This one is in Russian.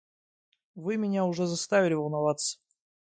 Вы меня уже заставили волноваться.